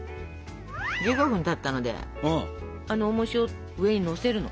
１５分たったのでおもしを上にのせるの。